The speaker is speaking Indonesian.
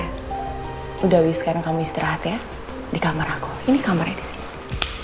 oke udah wih sekarang kamu istirahat ya di kamar aku ini kamarnya di sini